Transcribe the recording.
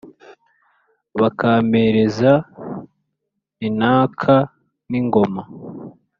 bakampereza intaka ni ngoma